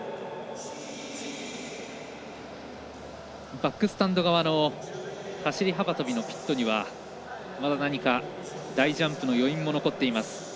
バックスタンド側の走り幅跳びのピットにはまだ何か大ジャンプの余韻も残っています。